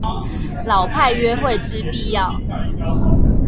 老派約會之必要